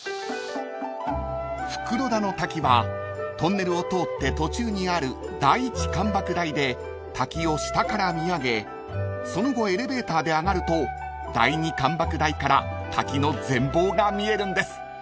［袋田の滝はトンネルを通って途中にある第１観瀑台で滝を下から見上げその後エレベーターで上がると第２観瀑台から滝の全貌が見えるんです］